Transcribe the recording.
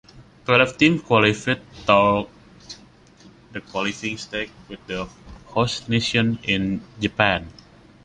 Twelve teams qualified through the qualifying stage with the host nation in Japan.